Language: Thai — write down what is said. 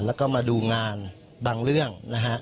แล้วก็มาดูงานบางเรื่องนะฮะ